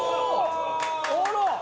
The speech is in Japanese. あら！